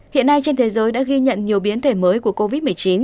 hiện nay trên thế giới đã ghi nhận nhiều biến thể mới của covid một mươi chín